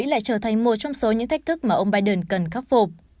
lại trở thành một trong số những thách thức mà ông biden cần khắc phục